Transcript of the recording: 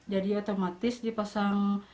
jadi otomatis dipasang